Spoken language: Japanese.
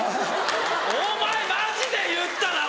お前マジで言ったな！